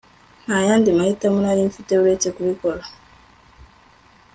Nta yandi mahitamo nari mfite uretse kubikora